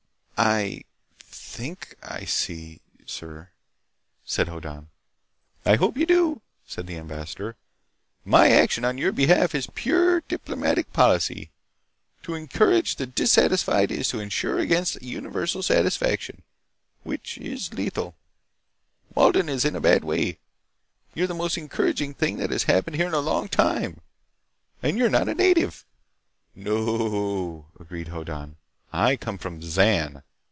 "I ... think I see, sir," said Hoddan. "I hope you do," said the ambassador. "My action on your behalf is pure diplomatic policy. To encourage the dissatisfied is to insure against universal satisfaction—which is lethal. Walden is in a bad way. You are the most encouraging thing that has happened here in a long time. And you're not a native." "No o o," agreed Hoddan. "I come from Zan."